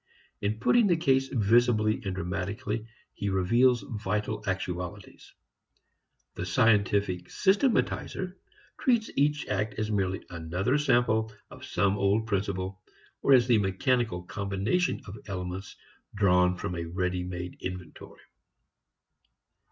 In putting the case visibly and dramatically he reveals vital actualities. The scientific systematizer treats each act as merely another sample of some old principle, or as a mechanical combination of elements drawn from a ready made inventory.